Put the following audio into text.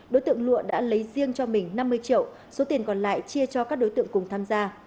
đối tượng lụa đã lấy riêng cho mình năm mươi triệu số tiền còn lại chia cho các đối tượng cùng tham gia